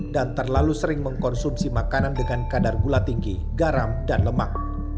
dan terlalu sering mengkonsumsi makanan dengan kadar gula tinggi garam dan lemak